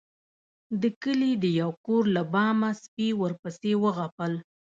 د کلي د يو کور له بامه سپي ورپسې وغپل.